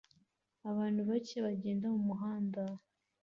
Abantu bake bagenda mumuhanda